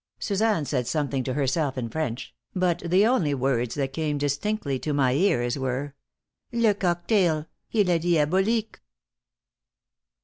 Suzanne said something to herself in French, but the only words that came distinctly to my ears were: "_Le cocktail! Il est diabolique!